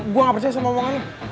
gue gak percaya sama omongannya